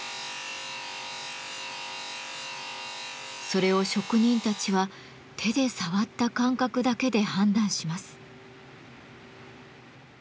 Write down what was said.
それを職人たちは手で触った感覚だけで判断します。